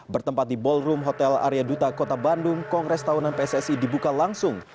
bertempat di ballroom hotel arya duta kota bandung kongres tahunan pssi dibuka langsung